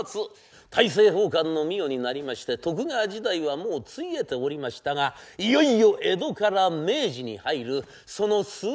大政奉還の御代になりまして徳川時代はもうついえておりましたがいよいよ江戸から明治に入るその数日間のお物語。